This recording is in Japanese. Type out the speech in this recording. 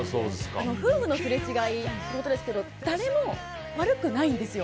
夫婦のすれ違いということですが誰も悪くないんですよ。